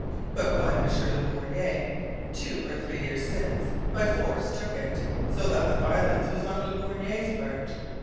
But one M. le Borny, two or three years since, by force took it, so that the violence was on Le Borny's part.'